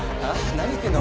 何言ってんだ？